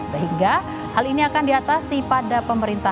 sehingga hal ini akan diselesaikan